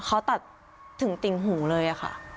เขาตัดถึงติ่งหูเลยค่ะ